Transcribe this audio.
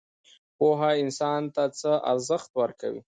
پوهه انسان ته څه ارزښت ورکوي؟